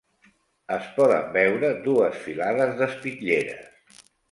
Es poden veure dues filades d'espitlleres.